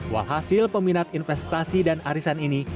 walhasil peminat investasi dan arisan ini